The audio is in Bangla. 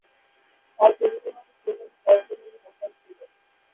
তাঁর প্রকৃত নাম সৈয়দ ফজল-উল-হাসান ছিলো।